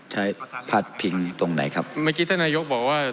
พาดพิงตรงไหนครับเมื่อกี้ท่านนายกบอกว่า